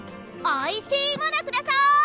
おいしいもの下さい！